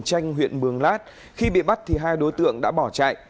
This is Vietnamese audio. chanh huyện mường lát khi bị bắt thì hai đối tượng đã bỏ chạy